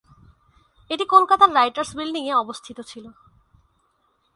এটি কলকাতার রাইটার্স বিল্ডিং-এ অবস্থিত ছিল।